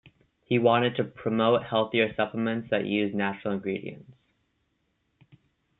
He wanted to promote healthier supplements that used natural ingredients.